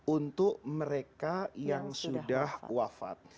untuk mereka yang sudah wafat